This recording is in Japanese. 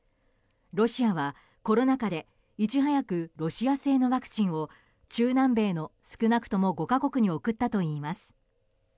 ロシアは、コロナ禍でいち早くロシア製のワクチンを中南米の少なくとも５か国に送ったといいます。